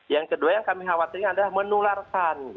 yang kedua yang kami khawatirkan adalah menularkan